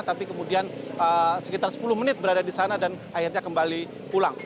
tapi kemudian sekitar sepuluh menit berada di sana dan akhirnya kembali pulang